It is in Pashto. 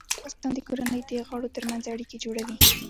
زاړه کسان د کورنۍ د غړو ترمنځ اړیکې جوړوي